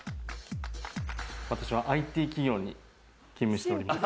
私はＩＴ企業に勤務しております。